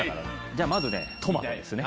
じゃあまずねトマトですね。